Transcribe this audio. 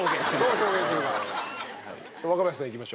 若林さんいきましょう。